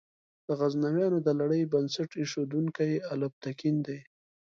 د غزنویانو د لړۍ بنسټ ایښودونکی الپتکین دی.